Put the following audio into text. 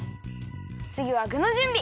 つぎはぐのじゅんび。